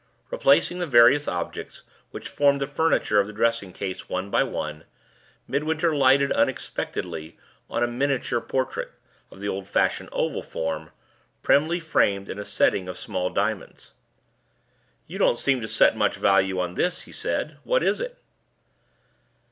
Replacing the various objects which formed the furniture of the dressing case one by one, Midwinter lighted unexpectedly on a miniature portrait, of the old fashioned oval form, primly framed in a setting of small diamonds. "You don't seem to set much value on this," he said. "What is it?"